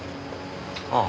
ああ。